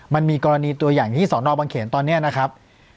มันมีกรณีตัวอย่างที่สอนอบังเขนตอนนี้นะครับ